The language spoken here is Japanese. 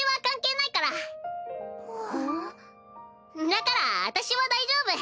だから私は大丈夫。